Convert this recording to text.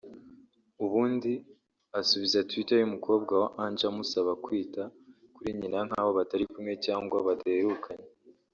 ubundi asubiza twitter y’umukobwa we Ange amusaba kwita kuri nyina nk’aho batari kumwe cyangwa badaherukanye